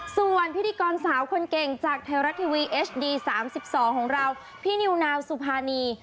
ส่วนพิธีกรสาวคนเก่งจากเทราะทีวีเอ็ชดีสามสิบสองของเราพี่นิวนาวสุภานี